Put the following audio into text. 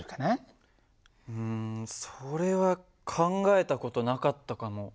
うんそれは考えた事なかったかも。